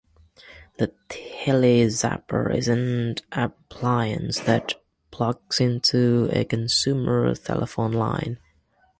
The TeleZapper is an appliance that plugs into a consumer telephone line.